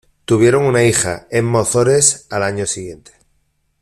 Tuvieron una hija, Emma Ozores, al año siguiente.